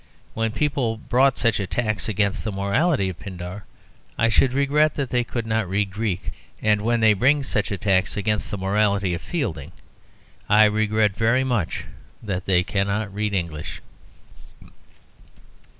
When people brought such attacks against the morality of Pindar, I should regret that they could not read Greek; and when they bring such attacks against the morality of Fielding, I regret very much that they cannot read English.